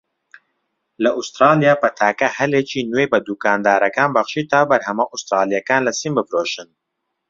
لە ئوستراڵیا، پەتاکە هەلێکی نوێی بە دوکاندارەکان بەخشی تا بەرهەمە ئوستڕاڵیەکان لە سین بفرۆشتن.